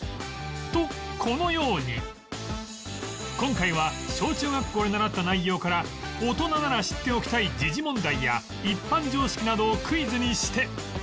とこのように今回は小中学校で習った内容から大人なら知っておきたい時事問題や一般常識などをクイズにして